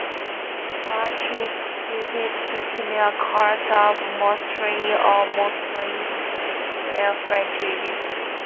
Flaunches, cites two similar coats for Mosylton or Moselton with square flaunches.